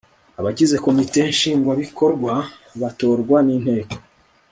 abagize komite nshingwabikorwa batorwa n'inteko